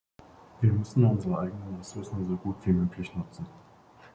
Wir müssen unsere eigenen Ressourcen so gut wie möglich nutzen.